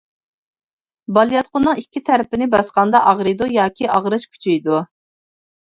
بالىياتقۇنىڭ ئىككى تەرىپىنى باسقاندا ئاغرىيدۇ ياكى ئاغرىش كۈچىيىدۇ.